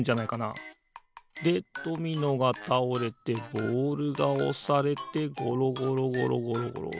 でドミノがたおれてボールがおされてごろごろごろごろ。